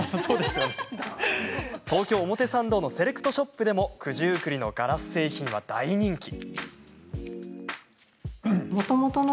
東京・表参道のセレクトショップでも九十九里のガラス製品は大人気。